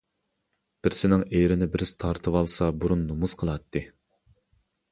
بىرسىنىڭ ئېرىنى بىرسى تارتىۋالسا بۇرۇن نومۇس قىلاتتى.